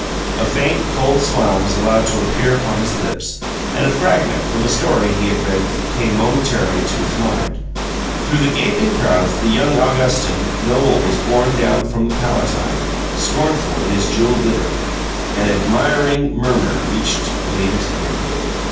A faint, cold smile was allowed to appear upon his lips, and a fragment from a story he had read came momentarily to his mind.... "Through the gaping crowds the young Augustan noble was borne down from the Palatine, scornful in his jeweled litter...." An admiring murmur reached William's ear.